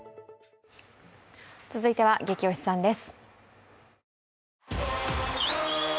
続いては「ゲキ推しさん」です。